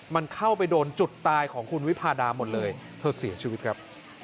มันเข้าไปโดนจุดตายของคุณวิพาดาหมดเลยเธอเสียชีวิตครับ